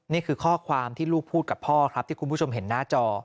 นี่คือข้อความที่ลูกพูดกับพ่อครับที่คุณผู้ชมเห็นหน้าจอ